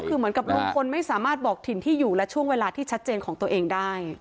คือเหมือนกับลุงพลไม่สามารถบอกถิ่นที่อยู่และช่วงเวลาที่ชัดเจนของตัวเองได้